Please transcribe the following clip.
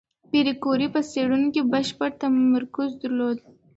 پېیر کوري په څېړنو کې بشپړ تمرکز درلود.